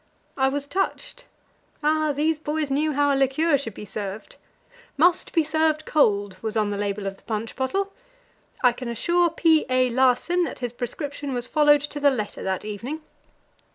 I was touched. Ah, these boys knew how a liqueur should be served! "Must be served cold," was on the label of the punch bottle. I can assure P. A. Larsen that his prescription was followed to the letter that evening.